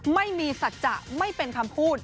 ไม่มีสัจจะไม่เป็นคำพูด